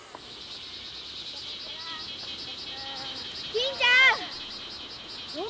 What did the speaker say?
金ちゃん！